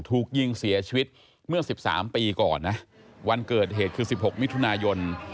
ถูกยิงเสียชีวิตเมื่อ๑๓ปีก่อนนะวันเกิดเหตุคือ๑๖มิถุนายน